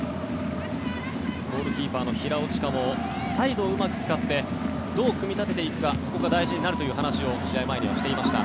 ゴールキーパーの平尾知佳もサイドをうまく使ってどう組み立てていくかそこが大事になるという話を試合前にはしていました。